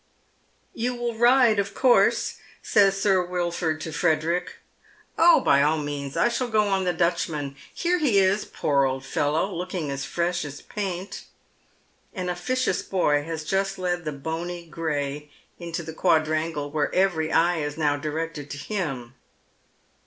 " You will ride, of course ?" says Sir Wilford to Frederick. " Oh, by all means ; I shall go on the Dutchman. Here he is, poor old fellow, looking as fi esh as paint." An ofiicious boy has just led the bony gray into the quad rangle, where evei y eye is now directed to him.